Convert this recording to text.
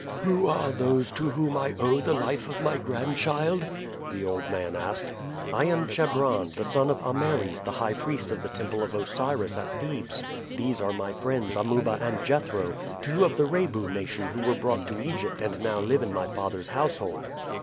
"Who are those to whom I owe the life of my grandchild?" the old man asked. "I am Chebron, the son of Ameres, the high priest of the temple of Osiris at Thebes. These are my friends, Amuba and Jethro, two of the Rebu nation who were brought to Egypt and now live in my father's household."